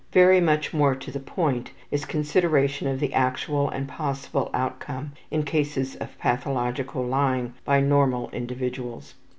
Very much more to the point is consideration of the actual and possible outcome in cases of pathological lying by normal individuals.